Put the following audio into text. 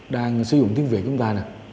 đang sử dụng tiếng việt chúng ta